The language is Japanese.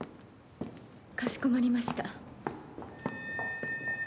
かしこまりました。